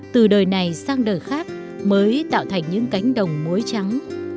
từ đời này sang đời khác mới tạo thành những cánh đồng muối trắng